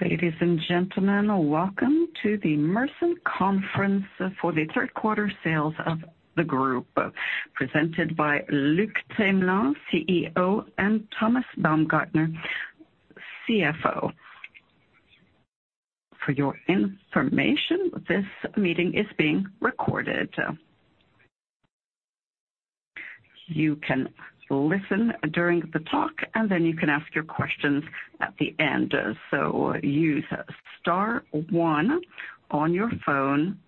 Ladies and gentlemen, welcome to the Mersen conference for the Q3 sales of the group, presented by Luc Themelin, CEO, and Thomas Baumgartner, CFO. For your information, this meeting is being recorded. You can listen during the talk, and then you can ask your questions at the end. So use star one on your phone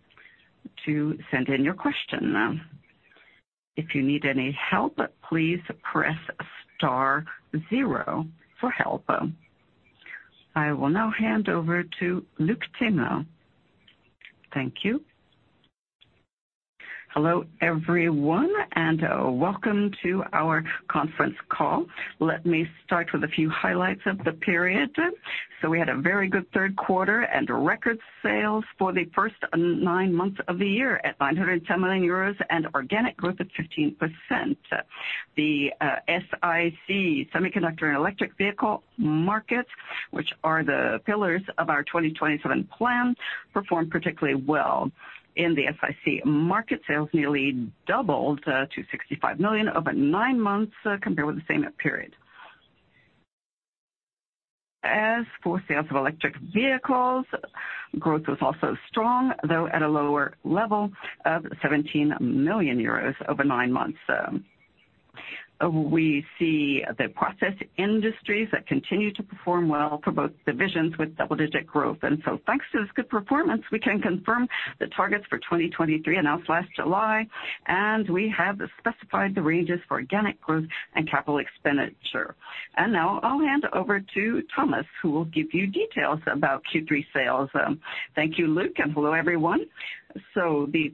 to send in your question. If you need any help, please press star zero for help. I will now hand over to Luc Themelin. Thank you. Hello, everyone, and welcome to our conference call. Let me start with a few highlights of the period. So we had a very good Q3 and record sales for the first nine months of the year at 910 million euros and organic growth of 15%.The SiC semiconductor and electric vehicle markets, which are the pillars of our 2027 plan, performed particularly well. In the SiC market, sales nearly doubled to 65 million over nine months compared with the same period. As for sales of electric vehicles, growth was also strong, though at a lower level of 17 million euros over nine months. We see the process industries that continue to perform well for both divisions with double-digit growth. So, thanks to this good performance, we can confirm the targets for 2023 announced last July, and we have specified the ranges for organic growth and capital expenditure. Now I'll hand over to Thomas, who will give you details about Q3 sales. Thank you, Luc, and hello, everyone. So the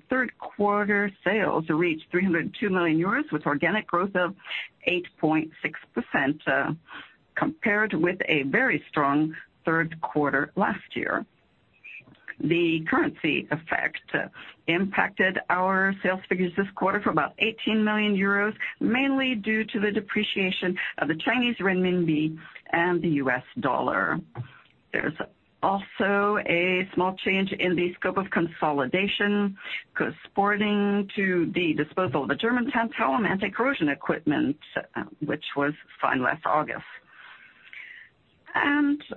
Q3 sales reached 302 million euros, with organic growth of 8.6%, compared with a very strong Q3 last year. The currency effect impacted our sales figures this quarter for about 18 million euros, mainly due to the depreciation of the Chinese Renminbi and the US dollar. There's also a small change in the scope of consolidation corresponding to the disposal of the German tantalum anticorrosion equipment, which was signed last August.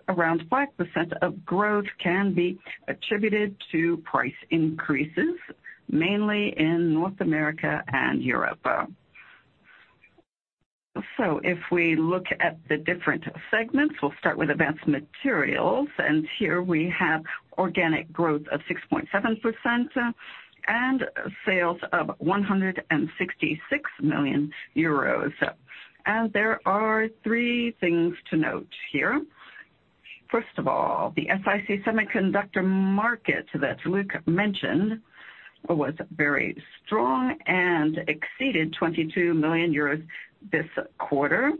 Around 5% of growth can be attributed to price increases, mainly in North America and Europe. So if we look at the different segments, we'll start with advanced materials, and here we have organic growth of 6.7%, and sales of 166 million euros. There are three things to note here. First of all, the SiC semiconductor market that Luc mentioned was very strong and exceeded 22 million euros this quarter.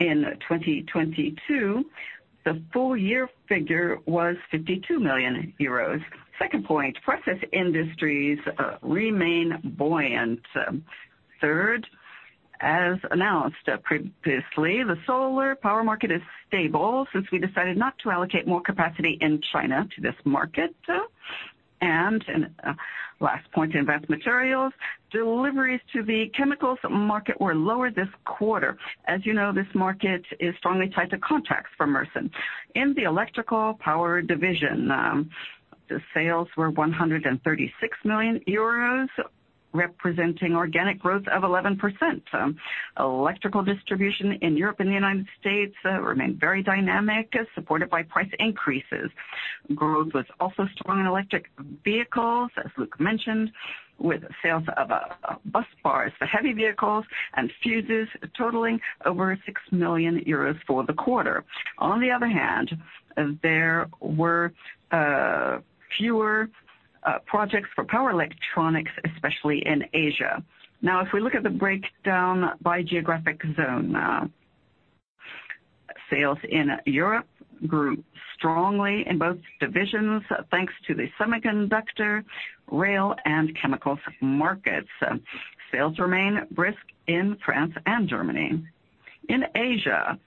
In 2022, the full year figure was 52 million euros. Second point, process industries remain buoyant. Third, as announced previously, the solar power market is stable since we decided not to allocate more capacity in China to this market. Last point, in advanced materials, deliveries to the chemicals market were lower this quarter. As you know, this market is strongly tied to contracts for Mersen. In the electrical power division, the sales were 136 million euros, representing organic growth of 11%. Electrical distribution in Europe and the United States remained very dynamic, supported by price increases. Growth was also strong in electric vehicles, as Luc mentioned, with sales of bus bars for heavy vehicles and fuses totaling over 6 million euros for the quarter. On the other hand, there were fewer projects for power electronics, especially in Asia. Now, if we look at the breakdown by geographic zone, sales in Europe grew strongly in both divisions, thanks to the semiconductor, rail, and chemicals markets. Sales remain brisk in France and Germany. In Asia,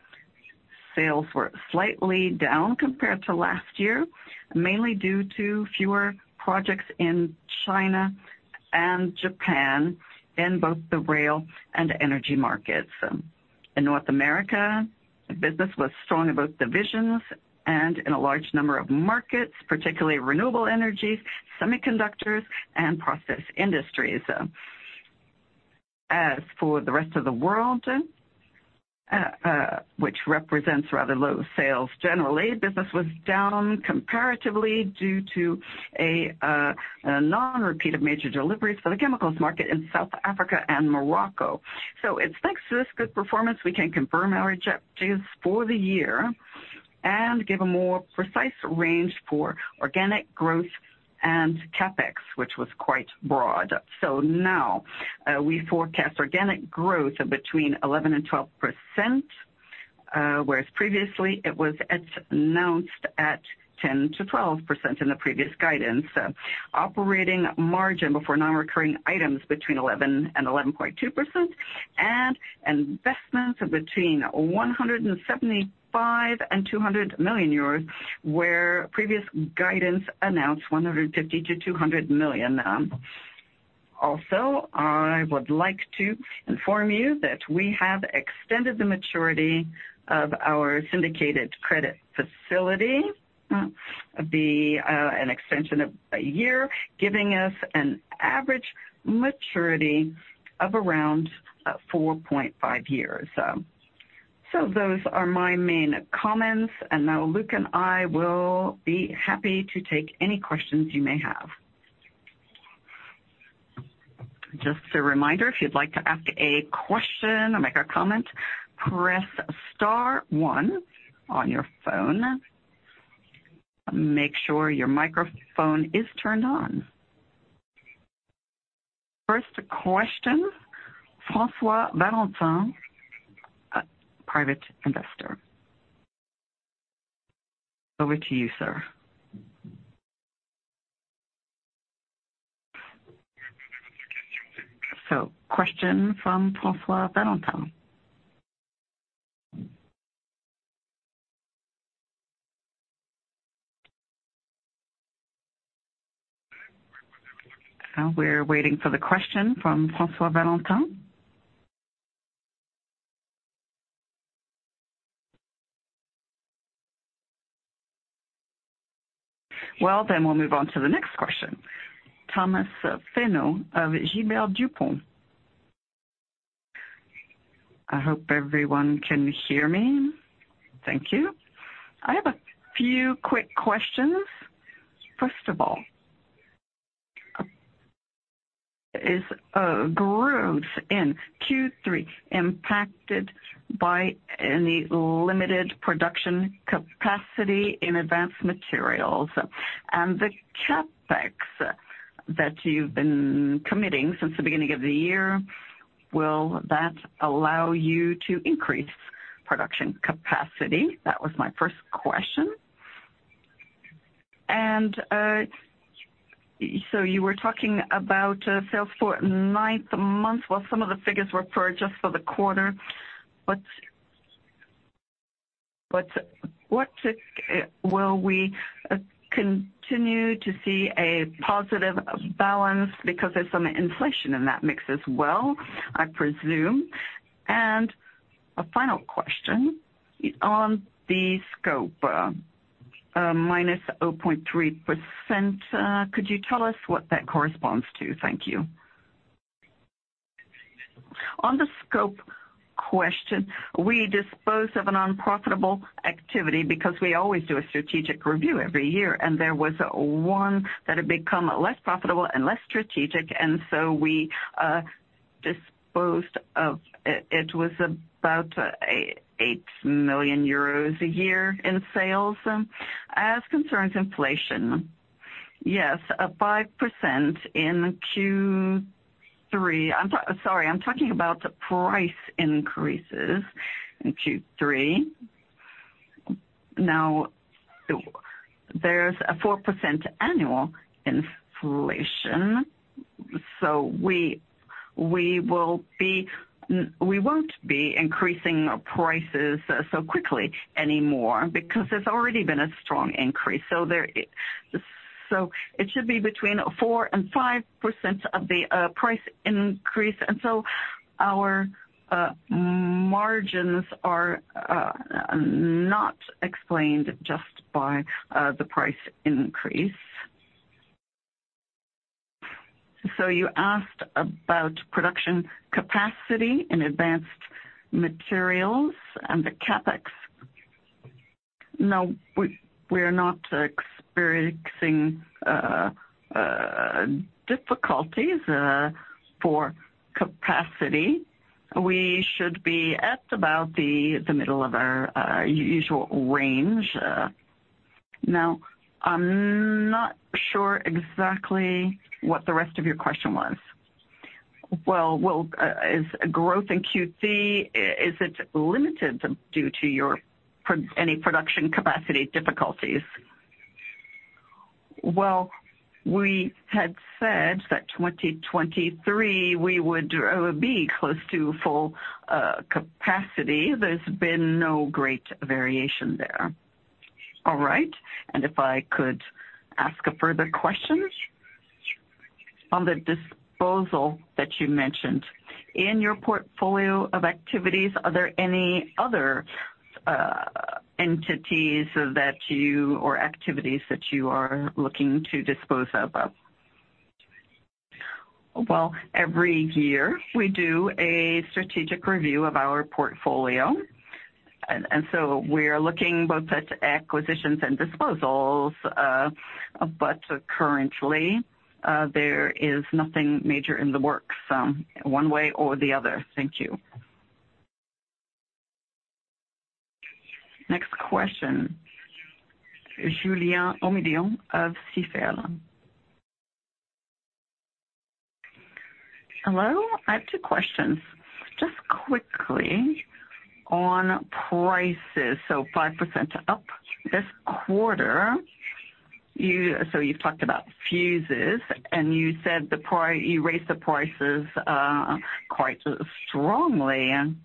sales were slightly down compared to last year, mainly due to fewer projects in China and Japan in both the rail and energy markets. In North America, business was strong in both divisions and in a large number of markets, particularly renewable energies, semiconductors, and process industries. As for the rest of the world, which represents rather low sales, generally, business was down comparatively due to a non-repeat of major deliveries for the chemicals market in South Africa and Morocco. So it's thanks to this good performance, we can confirm our objectives for the year and give a more precise range for organic growth and CapEx, which was quite broad. So now, we forecast organic growth of between 11% and 12%, whereas previously it was announced at 10%-12% in the previous guidance. Operating margin before non-recurring items between 11% and 11.2%, and investments of between 175 million and 200 million euros, where previous guidance announced 150 million-200 million. Also, I would like to inform you that we have extended the maturity of our syndicated credit facility by an extension of a year, giving us an average maturity of around 4.5 years. So those are my main comments, and now Luc and I will be happy to take any questions you may have. Just a reminder, if you'd like to ask a question or make a comment, press star one on your phone. Make sure your microphone is turned on. First question, François Valentin, private investor. Over to you, sir. So question from François Valentin. We're waiting for the question from François Valentin. Well, then we'll move on to the next question. Thomas Renaud of Gilbert Dupont. I hope everyone can hear me. Thank you. I have a few quick questions. First of all, is growth in Q3 impacted by any limited production capacity in advanced materials? And the CapEx that you've been committing since the beginning of the year, will that allow you to increase production capacity? That was my first question. And so you were talking about sales for ninth month, while some of the figures were for just for the quarter. But what will we continue to see a positive balance? Because there's some inflation in that mix as well, I presume. And a final question on the scope, -0.3%, could you tell us what that corresponds to? Thank you. On the scope question, we dispose of an unprofitable activity because we always do a strategic review every year, and there was one that had become less profitable and less strategic, and so we disposed of it. It was about 8 million euros a year in sales. As concerns inflation, yes, 5% in Q3. Sorry, I'm talking about the price increases in Q3. Now, there's a 4% annual inflation, so we will be - we won't be increasing our prices so quickly anymore because there's already been a strong increase. So there, so it should be between 4% and 5% of the price increase, and so our margins are not explained just by the price increase. So you asked about production capacity in advanced materials and the CapEx. No, we are not experiencing difficulties for capacity. We should be at about the middle of our usual range. Now, I'm not sure exactly what the rest of your question was. Well, well, is growth in Q3, is it limited due to your any production capacity difficulties? Well, we had said that 2023 we would be close to full capacity. There's been no great variation there. All right, and if I could ask a further question. On the disposal that you mentioned, in your portfolio of activities, are there any other entities that you, or activities that you are looking to dispose of? Well, every year we do a strategic review of our portfolio, and so we are looking both at acquisitions and disposals, but currently there is nothing major in the works, one way or the other. Thank you. Next question, Julien Onillon of Stifel. Hello, I have two questions. Just quickly on prices, so 5% up this quarter. So you talked about fuses, and you said you raised the prices quite strongly. And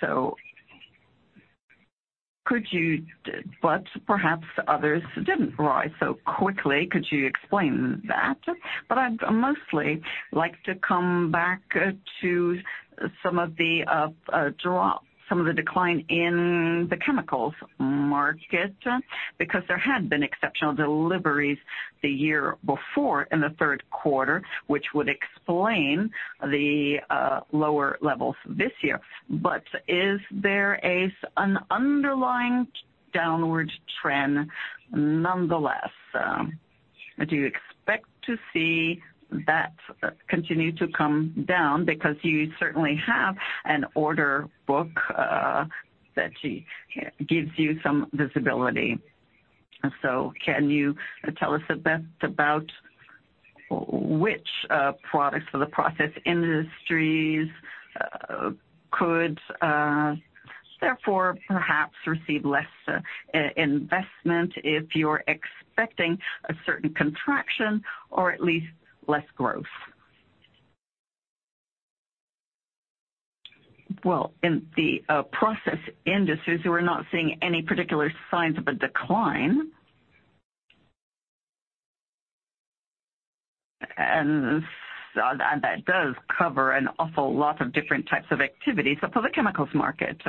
so could you, but perhaps others didn't rise so quickly. Could you explain that? But I'd mostly like to come back to some of the decline in the chemicals market, because there had been exceptional deliveries the year before in the Q3, which would explain the lower levels this year. But is there an underlying downward trend nonetheless? Do you expect to see that continue to come down? Because you certainly have an order book that gives you some visibility. So can you tell us a bit about which products for the process industries could therefore perhaps receive less investment if you're expecting a certain contraction or at least less growth? Well, in the process industries, we're not seeing any particular signs of a decline. And that does cover an awful lot of different types of activities. So for the chemicals market,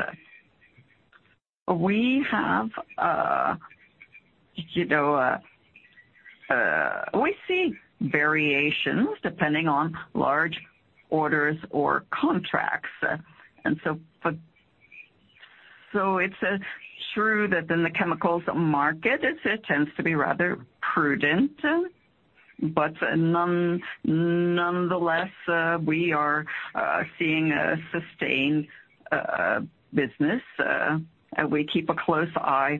we have, you know, we see variations depending on large orders or contracts. And so it's true that in the chemicals market, it tends to be rather prudent, but nonetheless, we are seeing a sustained business, and we keep a close eye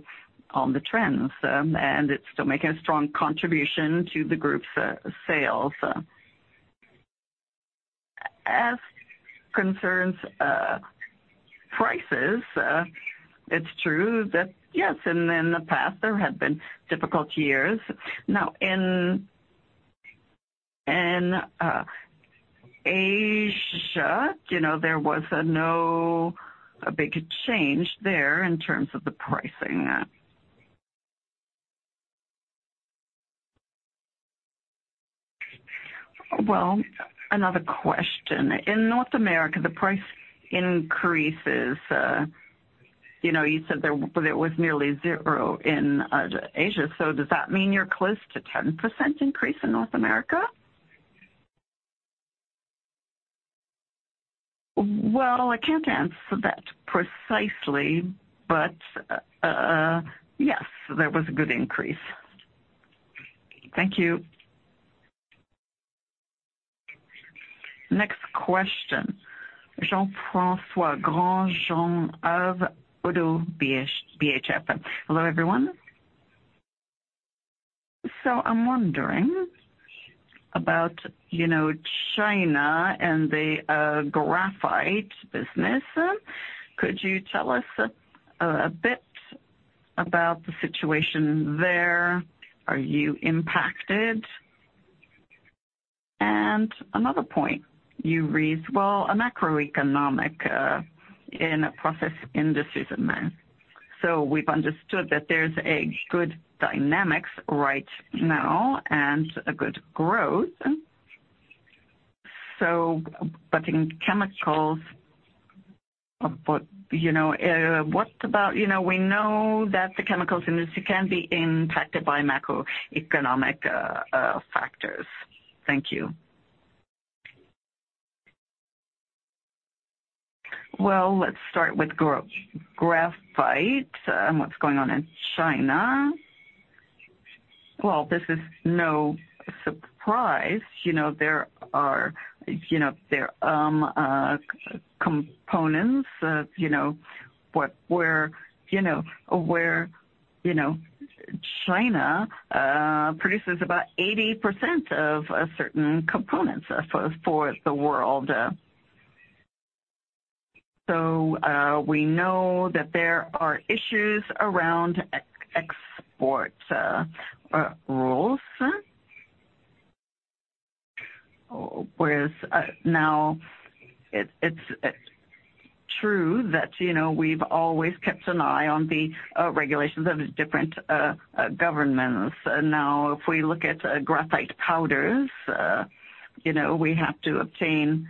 on the trends, and it's still making a strong contribution to the group's sales. As concerns prices, it's true that, yes, in the past there have been difficult years. Now, in Asia, you know, there was no big change there in terms of the pricing. Well, another question. In North America, the price increases, you know, you said there, there was nearly zero in Asia. So does that mean you're close to 10% increase in North America? Well, I can't answer that precisely, but, yes, there was a good increase. Thank you. Next question. Jean-François Granjon of ODDO BHF. Hello, everyone. So I'm wondering about, you know, China and the graphite business. Could you tell us a bit about the situation there? Are you impacted? And another point, you raised, well, a macroeconomic in process industries in there. So we've understood that there's a good dynamics right now and a good growth. So, but in chemicals, but, you know, what about, you know, we know that the chemicals industry can be impacted by macroeconomic factors. Thank you. Well, let's start with graphite and what's going on in China. Well, this is no surprise. You know, there are, you know, there, components, you know, what, where, you know, where, you know, China produces about 80% of certain components for, for the world. So, we know that there are issues around export rules. Whereas, now it, it's true that, you know, we've always kept an eye on the regulations of different governments. Now, if we look at graphite powders, you know, we have to obtain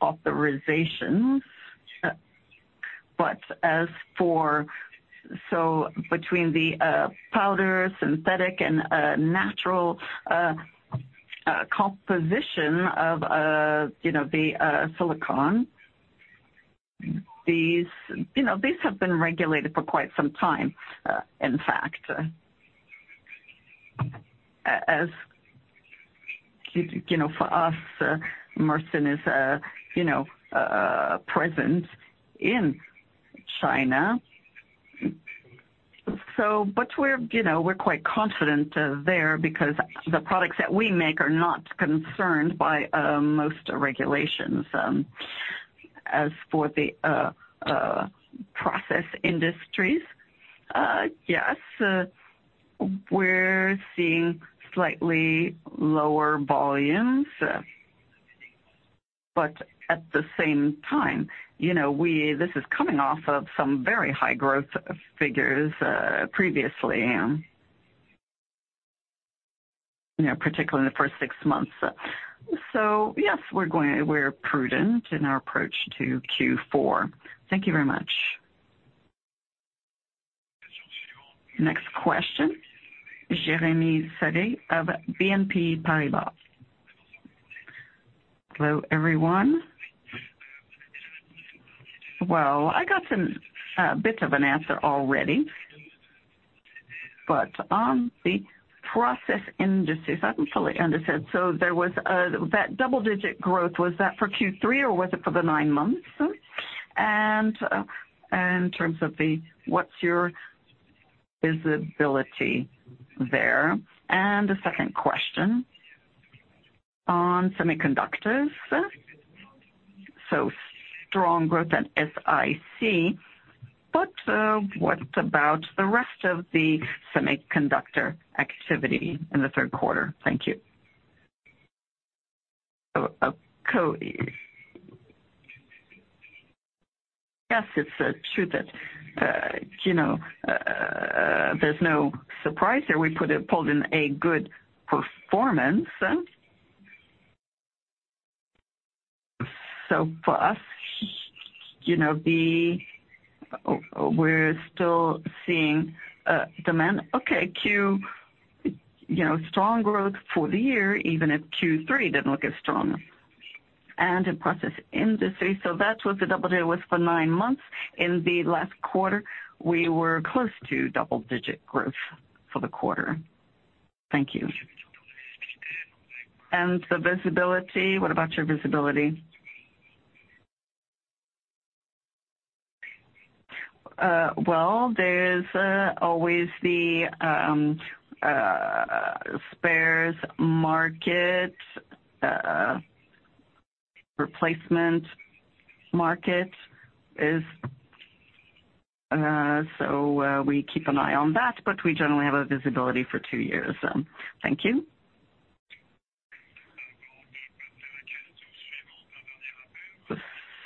authorizations. But as for... So between the powder, synthetic, and natural composition of, you know, the silicon, these, you know, these have been regulated for quite some time, in fact. As, you know, for us, Mersen is, you know, present in China. So but we're, you know, we're quite confident, there because the products that we make are not concerned by, most regulations. As for the, process industries, yes, we're seeing slightly lower volumes. But at the same time, you know, this is coming off of some very high growth figures, previously, you know, particularly in the first six months. So yes, we're going, we're prudent in our approach to Q4. Thank you very much. Next question, Jeremy Sigee of BNP Paribas. Hello, everyone. Well, I got some bit of an answer already, but on the process industries, I haven't fully understood. So there was that double-digit growth, was that for Q3 or was it for the nine months? In terms of, what's your visibility there? And the second question on semiconductors. So strong growth at SiC, but, what about the rest of the semiconductor activity in the third quarter? Thank you. Yes, it's true that, you know, there's no surprise there. We pulled in a good performance, eh? So for us, you know, we're still seeing demand. Okay, you know, strong growth for the year, even if Q3 didn't look as strong and in process industry. So that was the double-digit was for nine months. In the last quarter, we were close to double-digit growth for the quarter. Thank you. And the visibility, what about your visibility? Well, there's always the spares market, replacement market is, so we keep an eye on that, but we generally have a visibility for two years. Thank you.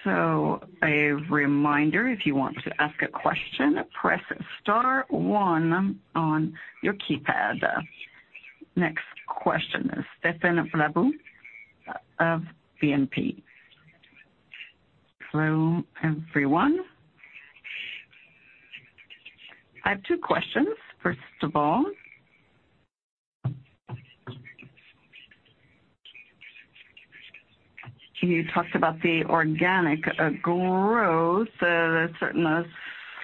So a reminder, if you want to ask a question, press star one on your keypad. Next question is Stephen Flabu of BNP. Hello, everyone. I have two questions. First of all, you talked about the organic growth, that's certain a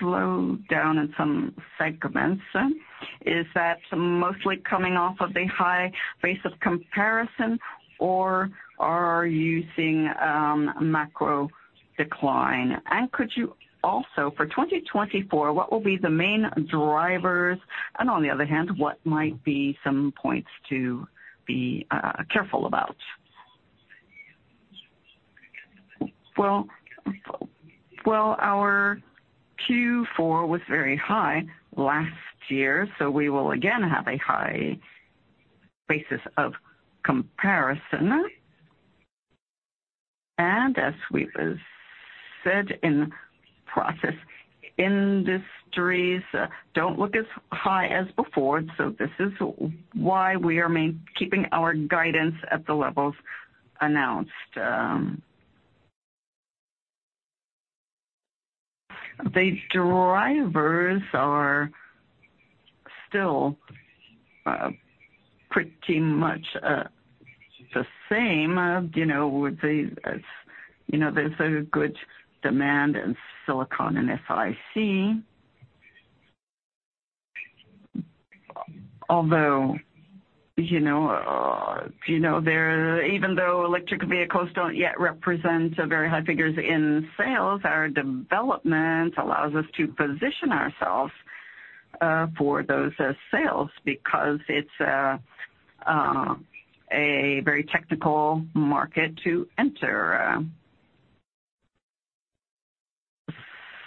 slowdown in some segments. Is that mostly coming off of the high base of comparison or are you seeing macro decline? And could you also, for 2024, what will be the main drivers? And on the other hand, what might be some points to be careful about? Well, our Q4 was very high last year, so we will again have a high basis of comparison. As we said in process industries don't look as high as before, so this is why we are keeping our guidance at the levels announced. The drivers are still pretty much the same. You know, with the, as, you know, there's a good demand in silicon and SiC. Although, you know, you know, there, even though electric vehicles don't yet represent a very high figures in sales, our development allows us to position ourselves for those sales because it's a very technical market to enter.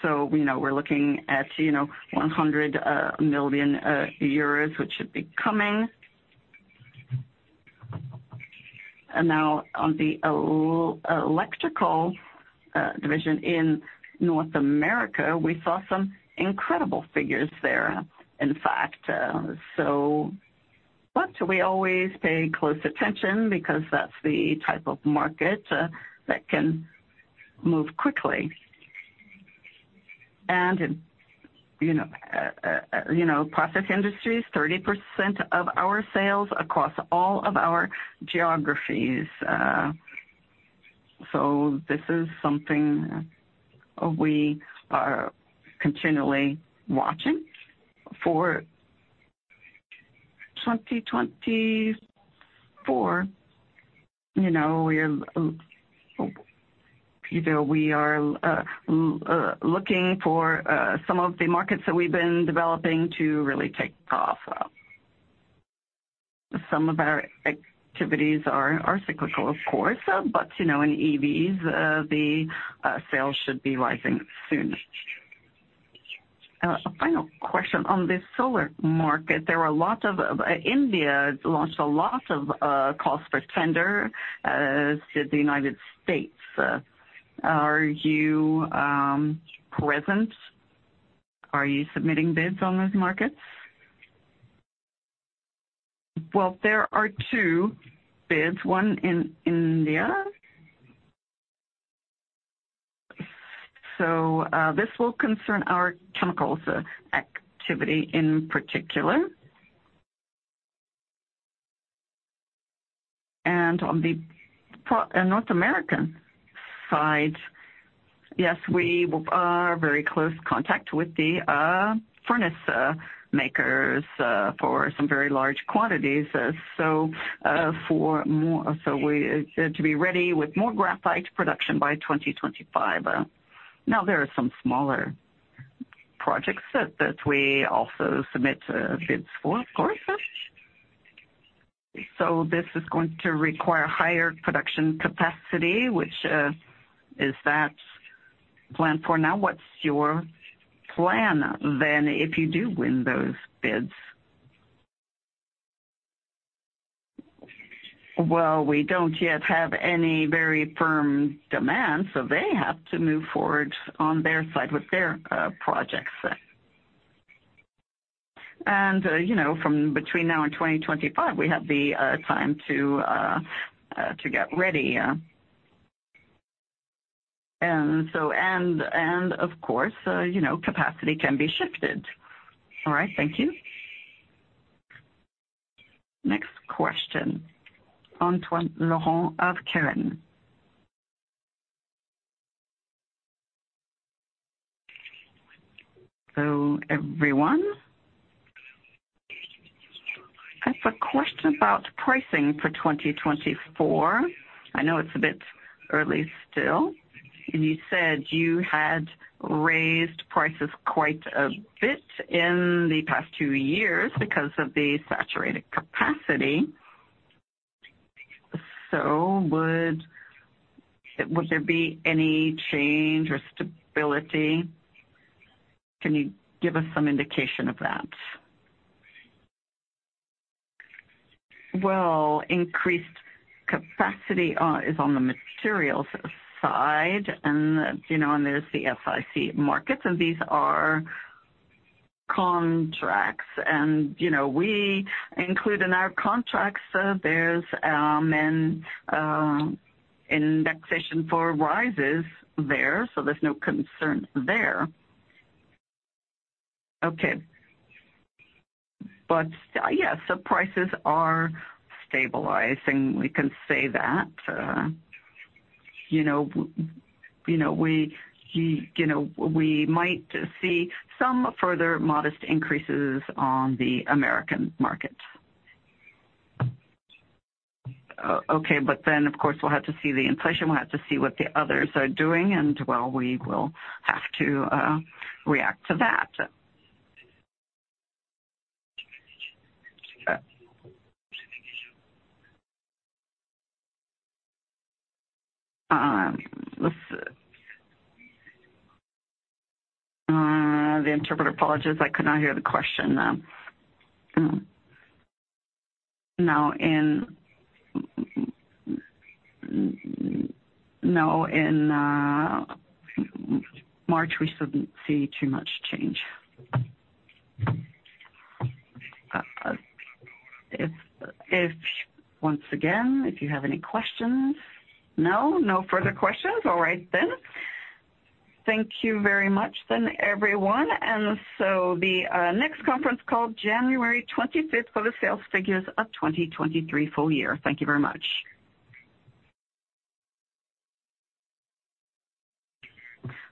So, you know, we're looking at, you know, 100 million euros, which should be coming. And now on the electrical division in North America, we saw some incredible figures there, in fact, so. But we always pay close attention because that's the type of market that can move quickly. And, you know, you know, process industry is 30% of our sales across all of our geographies. So this is something we are continually watching for 2024, you know, we are, you know, we are looking for some of the markets that we've been developing to really take off. Some of our activities are cyclical, of course, but, you know, in EVs, the sales should be rising soon. A final question. On the solar market, there are a lot of India launched a lot of calls for tender to the United States. Are you present? Are you submitting bids on those markets? Well, there are two bids, one in India. So, this will concern our chemicals activity in particular. And on the North American side, yes, we are very close contact with the furnace makers for some very large quantities. So, for more, so we to be ready with more graphite production by 2025. Now there are some smaller projects that we also submit bids for, of course. So this is going to require higher production capacity, which is that planned for now? What's your plan then, if you do win those bids? Well, we don't yet have any very firm demand, so they have to move forward on their side with their projects. And, you know, from between now and 2025, we have the time to get ready. Of course, you know, capacity can be shifted. All right, thank you. Next question, Antoine Laurent of Keren. Hello, everyone. I have a question about pricing for 2024. I know it's a bit early still, and you said you had raised prices quite a bit in the past two years because of the saturated capacity. So would there be any change or stability? Can you give us some indication of that? Well, increased capacity is on the materials side, and, you know, and there's the SiC markets, and these are contracts. And, you know, we include in our contracts, there's an indexation for rises there, so there's no concern there. Okay. But, yes, the prices are stabilizing. We can say that, you know, you know, we, you know, we might see some further modest increases on the American market. Okay, but then, of course, we'll have to see the inflation. We'll have to see what the others are doing, and, well, we will have to react to that. The interpreter apologizes, I could not hear the question. No, in March, we shouldn't see too much change. If once again, if you have any questions? No, no further questions. All right, then. Thank you very much, then, everyone. And so the next conference call, January 25th, for the sales figures of 2023 full year. Thank you very much.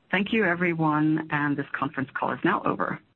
Thank you, everyone, and this conference call is now over.